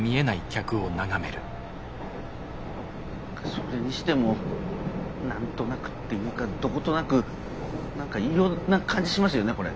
それにしても何となくっていうかどことなく何か異様な感じしますよねこれ。